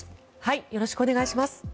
よろしくお願いします。